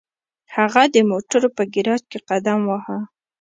هغه د موټرو په ګراج کې قدم واهه